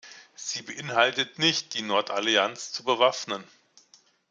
Sie beinhaltet nicht, die Nordallianz zu bewaffnen.